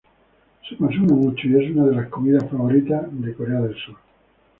Se consume mucho y es una de las comidas favoritas en Corea del Sur.